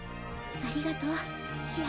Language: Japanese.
ありがとうシア。